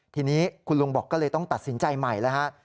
ทีนี้คุณลุงบอกก็เลยต้องตัดสินใจใหม่แล้วฮะ